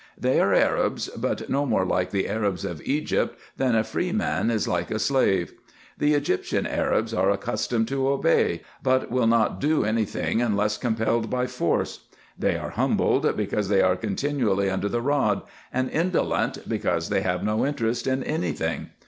They are Arabs, but no more like the Arabs of Egypt, than a freeman is like a slave. The Egyptian Arabs are accustomed to obey, but will not do any thing unless compelled by force. They are humbled, because they are continually under the rod ; and indolent, because they have no interest in any tiring.